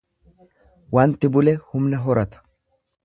Wanti bule humna horata.